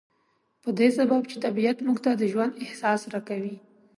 په دې سبب چې طبيعت موږ ته د ژوند احساس را کوي.